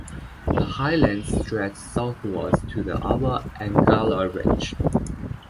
The highlands stretch southwards to the Upper Angara Range.